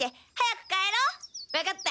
わかった。